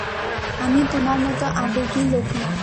আমি তোমার মতো আবেগী লোক না।